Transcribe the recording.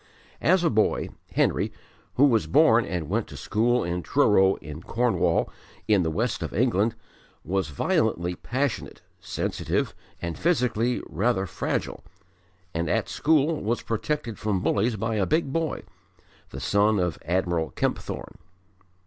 As a boy Henry, who was born and went to school in Truro, in Cornwall, in the West of England, was violently passionate, sensitive, and physically rather fragile, and at school was protected from bullies by a big boy, the son of Admiral Kempthorne.